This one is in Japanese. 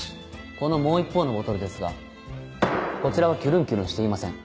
このもう一方のボトルですがこちらはきゅるんきゅるんしていません。